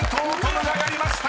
夢がやりました！